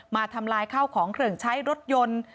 ทำลายข้าวของเครื่องใช้รถยนต์